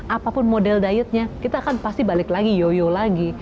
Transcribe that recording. apapun model dietnya kita akan pasti balik lagi yoyo lagi